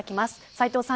斎藤さん